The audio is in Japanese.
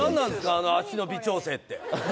あのあっちの微調整って。